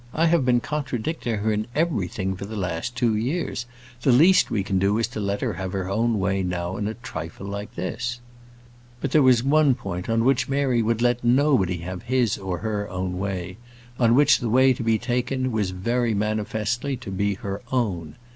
"I have been contradicting her in everything for the last two years. The least we can do is to let her have her own way now in a trifle like this." But there was one point on which Mary would let nobody have his or her own way; on which the way to be taken was very manifestly to be her own.